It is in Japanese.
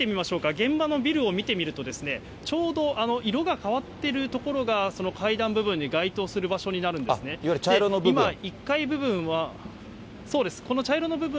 現場のビルを見てみると、ちょうど色が変わってる所が、その階段部分に該当する場所になるんですいわゆる茶色の部分。